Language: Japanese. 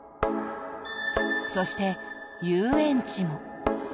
そして、遊園地も。